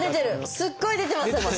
すごい出てます